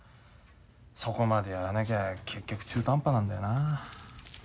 そこまでやらなきゃ結局中途半端なんだよなあ。